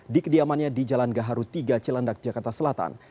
di kediamannya di jalan gaharu tiga cilandak jakarta selatan